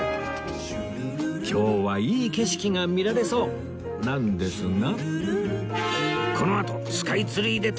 今日はいい景色が見られそうなんですが